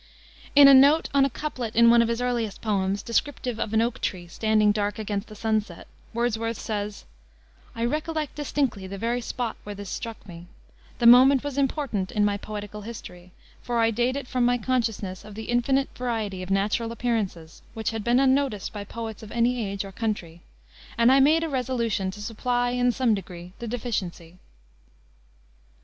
In a note on a couplet in one of his earliest poems, descriptive of an oak tree standing dark against the sunset, Wordsworth says: "I recollect distinctly the very spot where this struck me. The moment was important in my poetical history, for I date from it my consciousness of the infinite variety of natural appearances which had been unnoticed by the poets of any age or country, and I made a resolution to supply, in some degree, the deficiency."